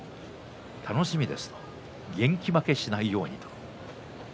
楽しみです元気負けしないようにと。